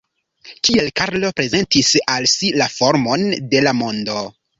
Kiel Karlo prezentis al si la formon de la mondo?